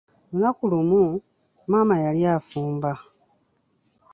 Lunaku lumu, maama yali afumba.